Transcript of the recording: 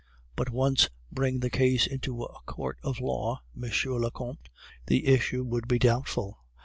But once bring the case into a court of law, M. le Comte, the issue would be doubtful.